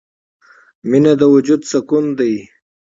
• مینه د وجود سکون دی.